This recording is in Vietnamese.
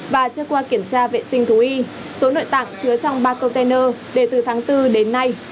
và chưa qua kiểm tra vệ sinh thú y số nội tạng chứa trong ba container để từ tháng bốn đến nay